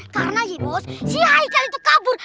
karena ya bos si haikal itu kabur